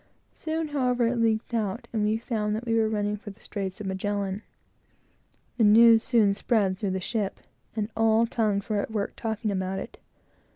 Soon, however, it leaked out, and we found that we were running for the straits of Magellan. The news soon spread through the ship, and all tongues were at work, talking about it.